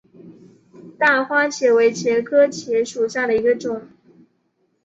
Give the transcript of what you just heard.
大花茄为茄科茄属下的一个种。